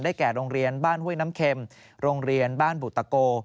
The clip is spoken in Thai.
แก่โรงเรียนบ้านห้วยน้ำเข็มโรงเรียนบ้านบุตโก